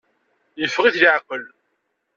Yeffeɣ-it leεqel.